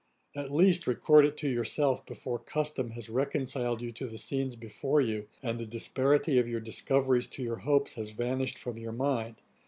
At least record it to yourself before custom has reconciled you to the scenes before you, and the disparity of your discoveries to your hopes has vanished from your mind.